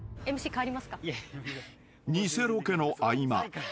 ［偽ロケの合間］